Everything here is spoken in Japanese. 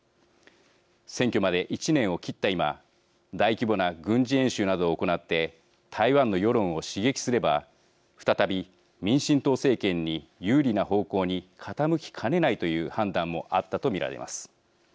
選挙まで１年を切った今大規模な軍事演習などを行って台湾の世論を刺激すれば再び民進党政権に有利な方向に傾きかねないという判断もあったと見られます。